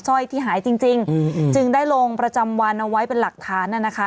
ร้อยที่หายจริงจริงจึงได้ลงประจำวันเอาไว้เป็นหลักฐานน่ะนะคะ